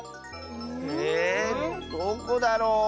えどこだろう。